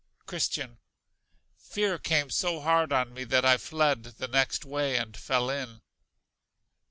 Christian. Fear came so hard on me that I fled the next way and fell in.